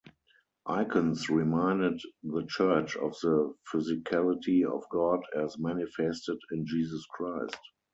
Icons reminded the church of the physicality of God as manifested in Jesus Christ.